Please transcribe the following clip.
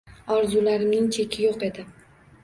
Orzularimning cheki yo`q edi